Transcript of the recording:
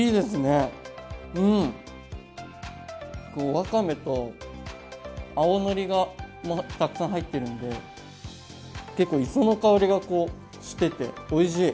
わかめと青のりがたくさん入ってるので結構磯の香りがしてておいしい！